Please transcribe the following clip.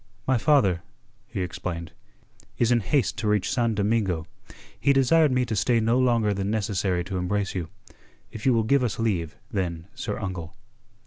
"My father," he explained, "is in haste to reach San Domingo. He desired me to stay no longer than necessary to embrace you. If you will give us leave, then, sir uncle."